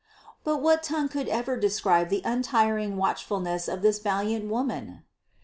782. But what tongue could ever describe the untir ing watchfulness of this valiant Woman?